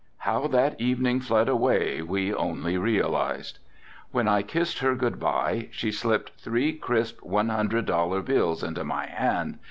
How that evening fled away we only realized. When I kissed her good bye she slipped three crisp one hundred dollar bills into my hand.